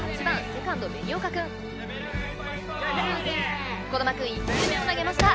セカンド紅岡くん児玉くん１球目を投げました